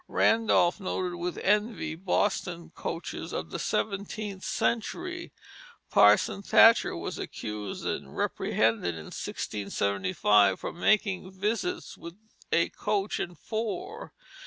Randolph noted with envy the Boston coaches of the seventeenth century. Parson Thatcher was accused and reprehended in 1675 for making visits with a coach and four.